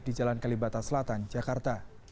di jalan kelibatas selatan jakarta